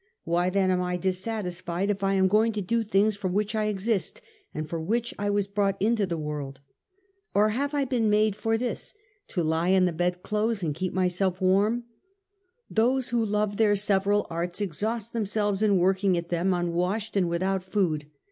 Why then am I dissatisfied if I am going to do the things for which I exist, and for which I was brought into the world ? Or have I been made for this, to lie in the bedclothes and keep my self warm ? Those who love their several arts exhaust themselves in working at them unwashed and without food.